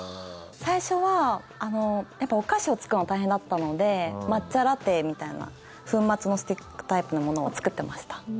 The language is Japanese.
最初はやっぱお菓子を作るのが大変だったので抹茶ラテみたいな粉末のスティックタイプのものを作ってました。